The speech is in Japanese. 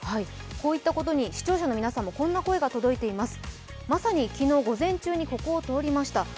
こういったことに視聴者の皆さんのこんな声が届いています。